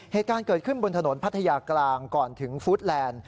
เหตุการณ์เกิดขึ้นบนถนนพัทยากลางก่อนถึงฟู้ดแลนด์